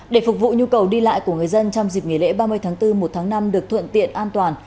để phục vụ nhu cầu đi lại của người dân trong dịp nghỉ lễ ba mươi tháng bốn một tháng năm được thuận tiện an toàn